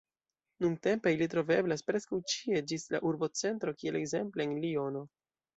Nuntempe ili troveblas preskaŭ ĉie ĝis en la urbocentroj, kiel ekzemple en Liono.